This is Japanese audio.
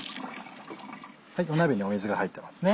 鍋に水が入ってますね。